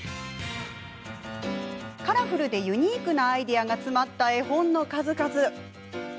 カラフルでユニークなアイデアが詰まった絵本たち。